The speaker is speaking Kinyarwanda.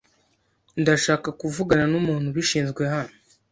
Ndashaka kuvugana numuntu ubishinzwe hano.